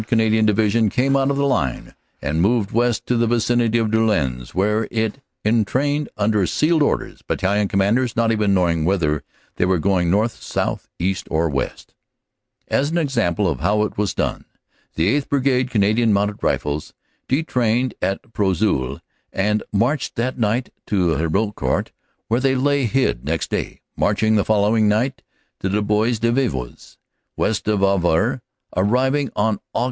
Canadian Division came out of the line and moved west to the vicinity of Doullens, where it entrained under sealed orders, battalion commanders even not knowing whether they were going north, south, east or west. As an example of how it was done, the 8th. Brigade, C. M. R., detrained at Prouzel and marched that night to Hebecourt, where they lay hid next day, marching the following night to the Bois de Boves, west of the Avre, arriving on Aug.